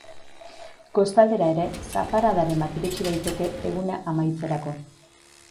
Kostaldera ere, zaparradaren bat iritsi daiteke eguna amaitzerako.